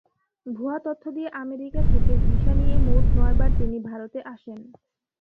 ভুয়া তথ্য দিয়ে আমেরিকা থেকে ভিসা নিয়ে মোট নয়বার তিনি ভারতে আসেন।